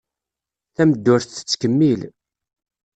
Tameddurt tettkemmil.